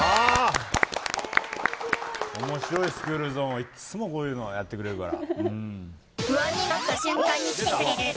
面白い、スクールゾーンいつも、こういうのやってくれるから。